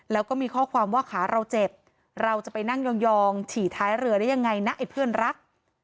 แล้วก็มีข้อความว่าขาเราเจ็บเราจะไปนั่งยองฉี่ท้ายเรือได้ยังไงนะไอ้เพื่อนรัก